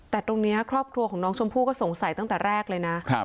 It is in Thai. แต่ตรงนี้ครอบครัวของน้องชมพู่ก็สงสัยตั้งแต่แรกเลยนะ